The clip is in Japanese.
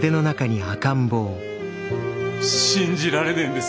信じられねえんです。